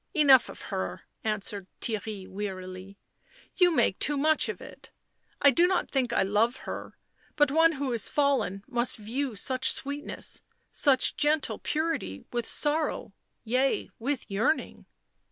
" Enough of her," answered Theirry wearily. "You make too much of it. I do not think I love her ; but one who is fallen must view such sweetness, such gentle purity with sorrow — yea with yearfiing."